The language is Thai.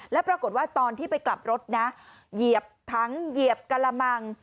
แล้วปรากฏว่าตอนที่ไปกลับรถนะเหยียบถังเหยียบกระมัง